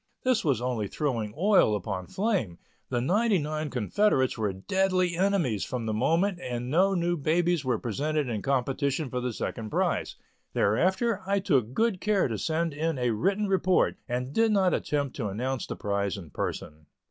This was only throwing oil upon flame; the ninety nine confederates were deadly enemies from the moment and no new babies were presented in competition for the second prize. Thereafter, I took good care to send in a written report and did not attempt to announce the prize in person.